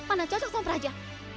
mana cocok dengan praja